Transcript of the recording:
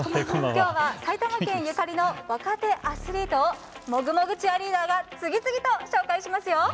きょうは埼玉県ゆかりの若手アスリートをもぐもぐチアリーダーが次々と紹介します。